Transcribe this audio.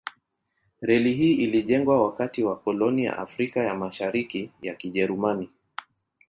Reli hii ilijengwa wakati wa koloni ya Afrika ya Mashariki ya Kijerumani.